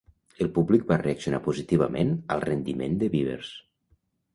El públic va reaccionar positivament al rendiment de Beavers.